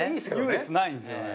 優劣ないんですよね。